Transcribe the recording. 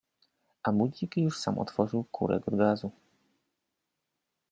A budzik już sam otworzył kurek od gazu.